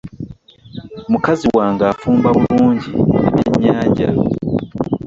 Mukazi wange afumba bulungi ebyennyanja.